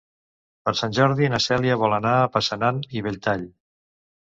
Per Sant Jordi na Cèlia vol anar a Passanant i Belltall.